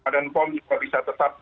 dan pom juga bisa tetap